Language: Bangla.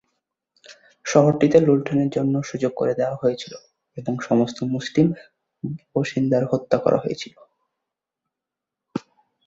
শহরটিতে লুণ্ঠনের জন্য সুযোগ করে দেওয়া হয়েছিল এবং সমস্ত মুসলিম বাসিন্দাদের হত্যা করা হয়েছিল।